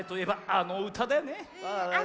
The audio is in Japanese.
あのうただね。